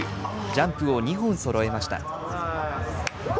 ジャンプを２本そろえました。